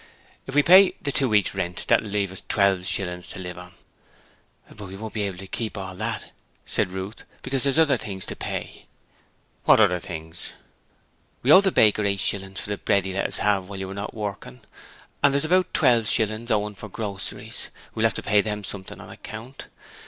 'If we pay the two week's rent that'll leave us twelve shillings to live on.' 'But we won't be able to keep all of that,' said Ruth, 'because there's other things to pay.' 'What other things?' 'We owe the baker eight shillings for the bread he let us have while you were not working, and there's about twelve shillings owing for groceries. We'll have to pay them something on account.